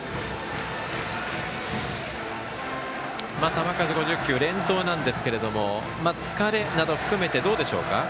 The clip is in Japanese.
球数５０球、連投ですが疲れなど含めてどうでしょうか？